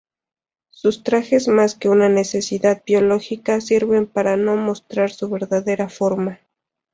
Sus trajes más que una necesidad biológica sirven para no mostrar su verdadera forma.